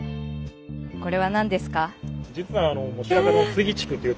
これは何ですか？